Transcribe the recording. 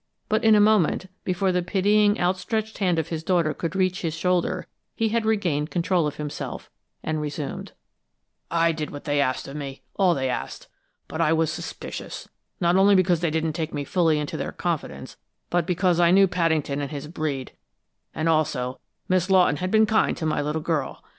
But in a moment, before the pitying, outstretched hand of his daughter could reach his shoulder, he had regained control of himself, and resumed: "I did what they asked of me all they asked. But I was suspicious, not only because they didn't take me fully into their confidence, but because I knew Paddington and his breed; and also, Miss Lawton had been kind to my little girl.